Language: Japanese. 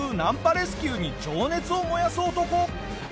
レスキューに情熱を燃やす男。